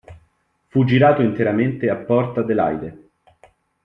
Fu girato interamente a Port Adelaide.